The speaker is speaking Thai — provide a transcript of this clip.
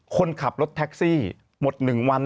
คนขับรถแท็กซี่หมด๑วัน